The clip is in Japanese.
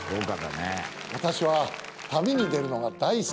私は旅に出るのが大好きです。